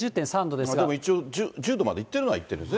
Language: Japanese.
でも一応１０度までいってるはいってるんですね。